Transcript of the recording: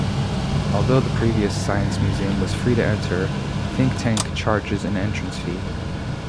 Although the previous science museum was free to enter, Thinktank charges an entrance fee.